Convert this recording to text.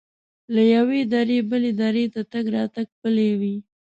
له یوې درې بلې درې ته تګ راتګ پلی وي.